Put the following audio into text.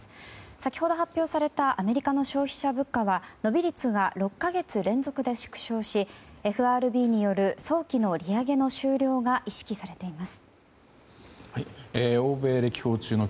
先ほど発表されたアメリカの消費者物価は伸び率が６か月連続で縮小しＦＲＢによる早期の利上げの終了が意識されています。